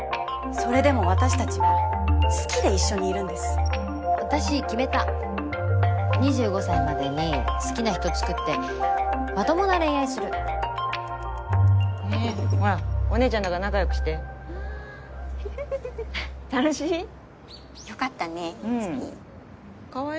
それでも私たちは好きで一緒にいるんです私決めた２５歳までに好きな人作ってまともな恋愛するねぇほらお姉ちゃんだから仲よくしてあぁフフフフ楽しい？よかったねかわいいおもちゃだね